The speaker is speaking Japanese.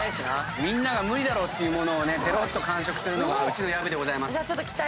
みんなが無理だろっていう物をぺろっと完食するのがうちの薮でございます。